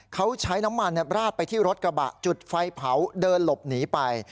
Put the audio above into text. เขาใช้น้ำมันราดไปที่รถกระบะจุดไฟเผาเดินหลบหนีไป